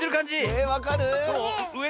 えっわかる？